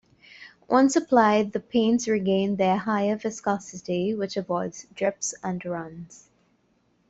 Once applied the paints regain their higher viscosity which avoids drips and runs.